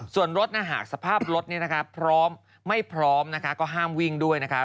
ส่วนรถหากสภาพรถพร้อมไม่พร้อมนะคะก็ห้ามวิ่งด้วยนะคะ